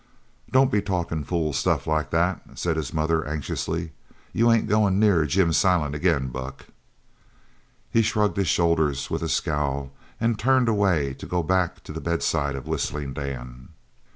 "Don't be talkin' fool stuff like that," said his mother anxiously. "You ain't goin' near Jim Silent agin, Buck!" He shrugged his shoulders, with a scowl, and turned away to go back to the bedside of Whistling Dan.